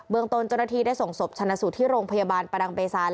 เบื้องต้นจนทีได้ส่งสบชนะสุดที่โรงพยาบาลประดังเบซาแล้ว